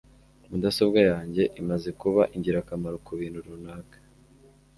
Mudasobwa yanjye imaze kuba ingirakamaro kubintu runaka.